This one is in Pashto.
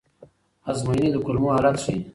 ازموینې د کولمو حالت ښيي.